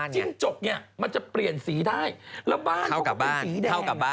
จิ้งจบเนี่ยมันจะเปลี่ยนสีได้แล้วบ้านเค้าก็เป็นสีแดง